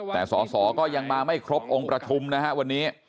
แต่สอสอก็ยังมาไม่ครบองค์ประชุมนะฮะวันนี้